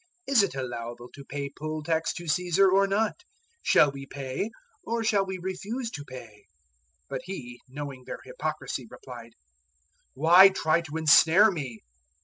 Is it allowable to pay poll tax to Caesar, or not? 012:015 Shall we pay, or shall we refuse to pay?" But He, knowing their hypocrisy, replied, "Why try to ensnare me?